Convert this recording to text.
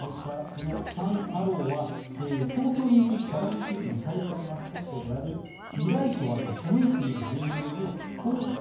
このサン・アローは東京オリンピック・パラリンピックの大会マスコットであるミライトワとソメイティの縫いぐるみを公式